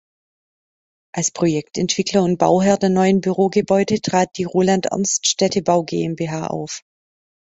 Als Projektentwickler und Bauherr der neuen Bürogebäude trat die Roland Ernst Städtebau GmbH auf.